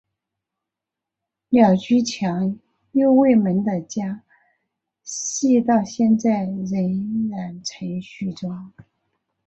鸟居强右卫门的家系到现在仍然存续中。